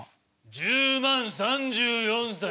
１０万３４歳だ。